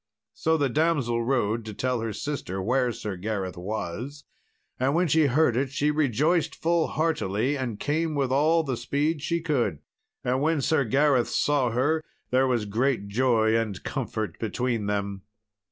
So the damsel rode to tell her sister where Sir Gareth was, and when she heard it she rejoiced full heartily and came with all the speed she could. And when Sir Gareth saw her, there was great joy and comfort between them.